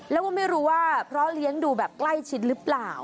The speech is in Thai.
แล้วก็ไม่รู้ว่าเพราะเลี้ยงดูแบบใกล้ชิดหรือเปล่า